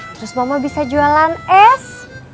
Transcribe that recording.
terus mama bisa jualan es